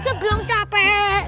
dia bilang capek